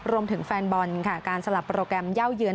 รวมถึงแฟนบอลค่ะการสลับโปรแกรมเยาเหยือน